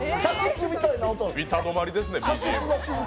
ビタ止まりですねＢＧＭ。